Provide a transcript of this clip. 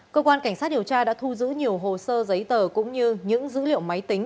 cơ quan cảnh sát điều tra đã thu giữ nhiều hồ sơ giấy tờ cũng như những dữ liệu máy tính